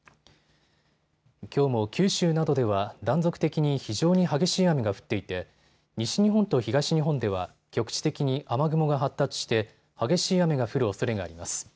きょうも九州などでは断続的に非常に激しい雨が降っていて西日本と東日本では局地的に雨雲が発達して激しい雨が降るおそれがあります。